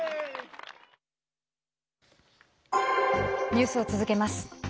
ニュースを続けます。